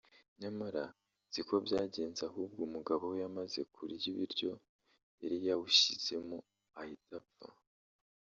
nyamara siko byagenze ahubwo umugabo we yamaze kurya ibiryo yari yawushyizemo ahita apfa